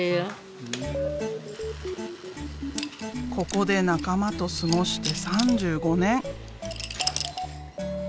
ここで仲間と過ごして３５年。